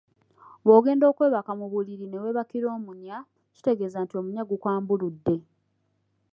Bw’ogenda okwebaka mu buliri ne weebakira omunya, kitegeeza nti omunya gukwambuludde.